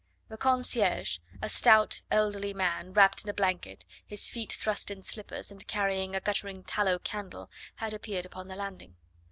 The concierge, a stout, elderly man, wrapped in a blanket, his feet thrust in slippers, and carrying a guttering tallow candle, had appeared upon the landing.